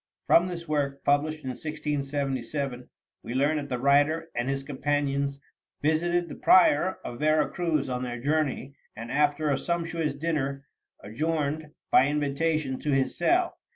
From this work, published in 1677, we learn that the writer and his companions visited the prior of Vera Cruz on their journey, and, after a sumptuous dinner, adjourned, by invitation, to his cell.